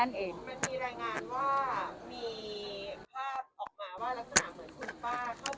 มันมีรายงานว่ามีว่าออกมาว่าลักษณะเหมือนคุณป้าเขาไปรวมอยู่กับ